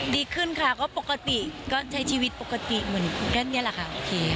ดีขึ้นค่ะก็ปกติก็ใช้ชีวิตปกติเหมือนก็นี่แหละค่ะโอเค